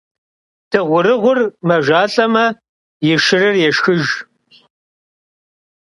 Dığurığuur mejjeş'alh'eme, yi şşırır yêşşxıjj.